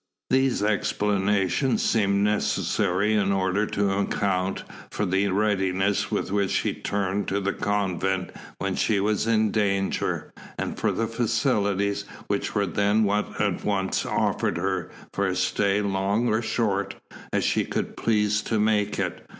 These explanations seem necessary in order to account for the readiness with which she turned to the convent when she was in danger, and for the facilities which were then at once offered her for a stay long or short, as she should please to make it.